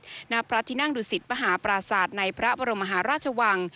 ประพิษณพระทินั่งดุสิตมหาปราศาสตร์ในพระบรมหาราชวัง